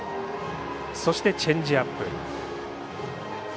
そしてチェンジアップ。